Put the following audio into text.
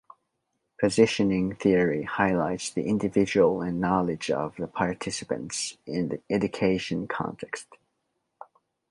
Positioning theory highlights the individual and knowledge of the participants in the education context.